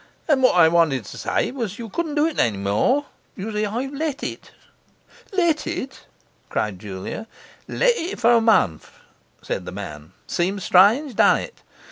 'And what I wanted to say was as you couldn't do it any more. You see I've let it.' 'Let it!' cried Julia. 'Let it for a month,' said the man. 'Seems strange, don't it?